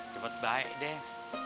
cepet baik deh